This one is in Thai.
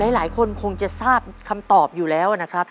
หลายคนคงจะทราบคำตอบอยู่แล้วนะครับ